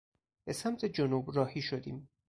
به سمت جنوب راهی شدیم.